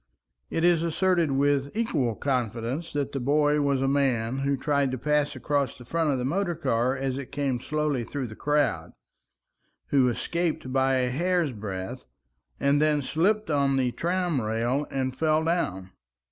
It is asserted with equal confidence that the boy was a man who tried to pass across the front of the motor car as it came slowly through the crowd, who escaped by a hair's breadth, and then slipped on the tram rail and fell down.